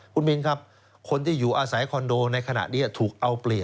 คุณมินครับคนที่อยู่อาศัยคอนโดในขณะนี้ถูกเอาเปรียบ